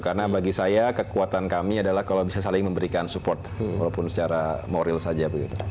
karena bagi saya kekuatan kami adalah kalau bisa saling memberikan support walaupun secara moral saja begitu